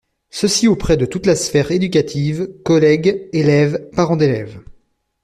Ceci auprès de toute la sphère éducative: collègues, élèves, parents d'élèves.